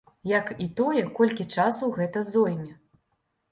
Як і тое, колькі часу гэта зойме.